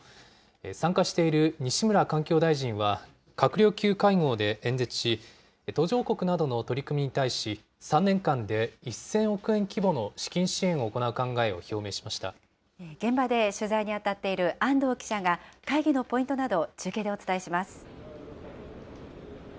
参加している西村環境大臣は閣僚級会合で演説し、途上国などの取り組みに対し、３年間で１０００億円規模の資金支援を行う考えを現場で取材に当たっている安藤記者が、会議のポイントなど、中継でお伝えします。